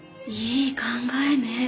いい考えね。